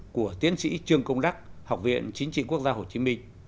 của tiến sĩ trương công đắc học viện chính trị quốc gia hồ chí minh